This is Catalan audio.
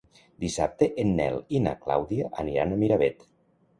Dissabte en Nel i na Clàudia aniran a Miravet.